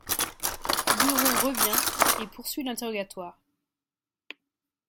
Buron revient et poursuit l'interrogatoire.